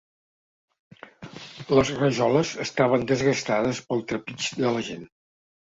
Les rajoles estaven desgastades pel trepig de la gent.